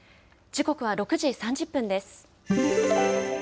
時刻は６時３０分です。